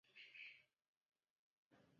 节目筹集的资金全部捐献给了。